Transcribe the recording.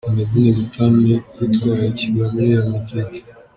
Zinedine Zidane yitwaye kigabo muri Real Madrid.